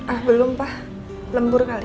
ah belum pak lembur kali